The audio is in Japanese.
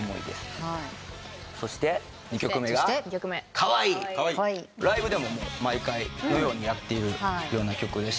そして２曲目が『かわＥ』ライブでも毎回のようにやっている曲でして。